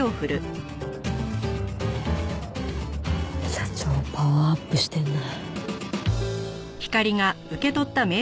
社長パワーアップしてるな。